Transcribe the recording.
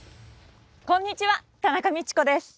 こんにちは田中道子です。